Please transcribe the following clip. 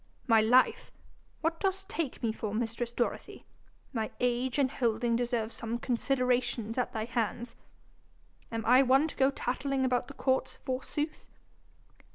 'My life! what dost take me for, mistress Dorothy? My age and holding deserves some consideration at thy hands! Am I one to go tattling about the courts forsooth?'